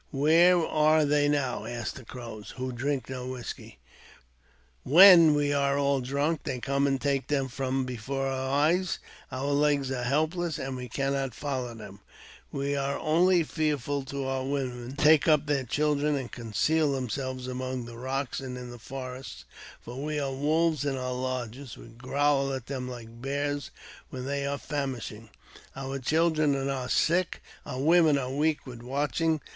Where are they now? Ask the Crows, who drink no whisky. When we are all drunk, they come and take them from before our eyes ; our legs are help less, and we cannot follow them. We are only fearful to our women, who take up their children and conceal themselves among the rocks and in the forest, for we are wolves in our lodges ; we growl at them like bears when they are famishing. Our children are now sick, and our women are weak with watching.